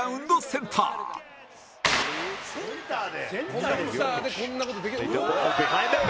「センターでこんな事できない。